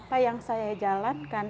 apa yang saya jalankan